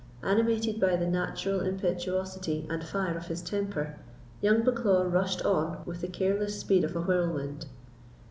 Animated by the natural impetuosity and fire of his temper, young Bucklaw rushed on with the careless speed of a whirlwind.